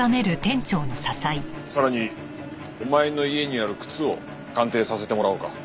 さらにお前の家にある靴を鑑定させてもらおうか。